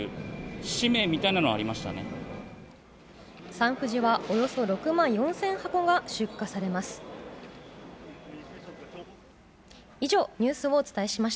サンふじはおよそ６万４０００箱が出荷されます。